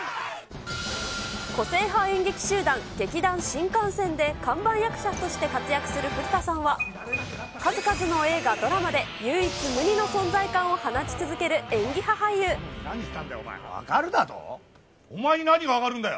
個性派演劇集団、劇団☆新感線で看板役者として活躍する古田さんは、数々の映画、ドラマで唯一無二の存在感を放ち続ける演技分かるだと？